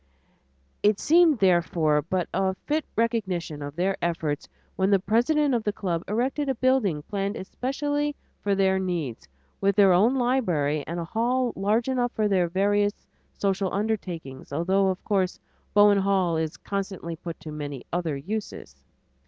It seemed, therefore, but a fit recognition of their efforts when the president of the club erected a building planned especially for their needs, with their own library and a hall large enough for their various social undertakings, although of course Bowen Hall is constantly put to many other uses.